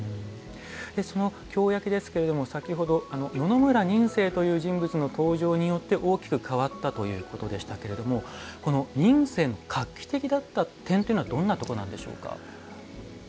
京焼ですが先ほど野々村仁清という人物の登場によって大きく変わったということでしたけれどもこの、仁清画期的だった点というのはどんなところなんでしょうか？